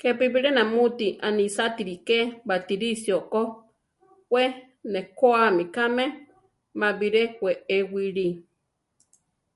Kepi bilé namúti anisátiri ké Batirisio ko; we nekóami kame; má biré wée wili.